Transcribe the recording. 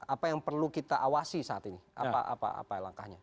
apa yang perlu kita awasi saat ini apa langkahnya